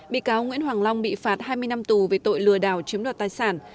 bị cáo nguyễn hoàng long bị phạt hai mươi năm tù về tội lừa đảo chiếm đoạt tài sản